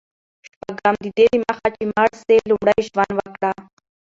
شپږم: ددې دمخه چي مړ سې، لومړی ژوند وکړه.